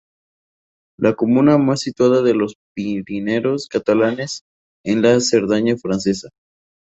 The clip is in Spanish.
La comuna está situada en los Pirineos catalanes, en la Cerdaña francesa.